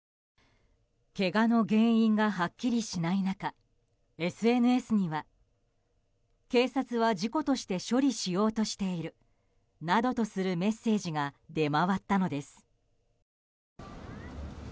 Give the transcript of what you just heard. けがの原因がはっきりしない中ＳＮＳには、警察は事故として処理しようとしているなどとするメッセージが出回ったのです。